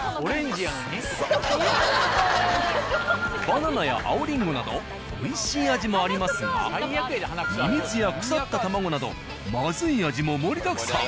バナナや青リンゴなどおいしい味もありますがミミズや腐った卵などまずい味も盛りだくさん。